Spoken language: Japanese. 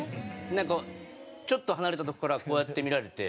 なんかちょっと離れたとこからこうやって見られて。